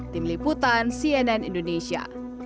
tim liputan cnn indonesia